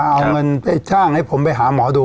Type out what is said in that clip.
เอาเงินไปช่างให้ผมไปหาหมอดู